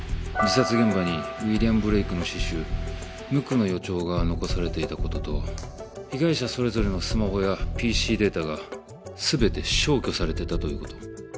自殺現場にウィリアム・ブレイクの詩集『無垢の予兆』が残されていた事と被害者それぞれのスマホやＰＣデータが全て消去されてたという事。